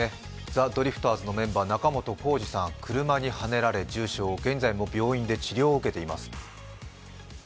ザ・ドリフターズのメンバー仲本工事さん、車にはねられ重傷、現在も病院で治療を受けています。